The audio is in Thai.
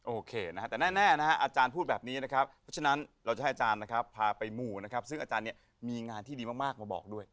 โอเคนะฮะแต่แน่นะฮะอาจารย์พูดแบบนี้นะครับเพราะฉะนั้นเราจะให้อาจารย์นะครับพาไปหมู่นะครับซึ่งอาจารย์เนี่ยมีงานที่ดีมากมาบอกด้วย